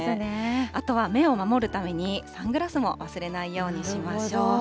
あとは目を守るためにサングラスも忘れないようにしましょう。